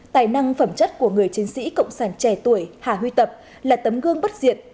tài năng phẩm chất của người chiến sĩ cộng sản trẻ tuổi hà huy tập là tấm gương bất diệt